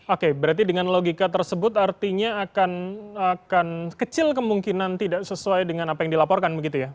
oke berarti dengan logika tersebut artinya akan kecil kemungkinan tidak sesuai dengan apa yang dilaporkan begitu ya